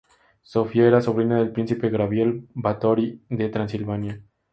Sofía era sobrina del Príncipe Gabriel Báthory de Transilvania.